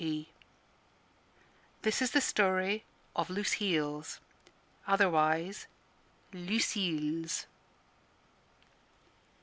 P. This is the story of Loose heels, otherwise Lucille's.